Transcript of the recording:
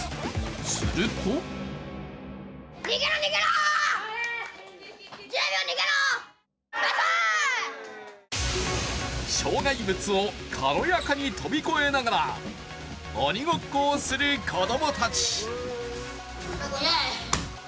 すると障害物を軽やかに飛び越えながら、鬼ごっこをする子供たち。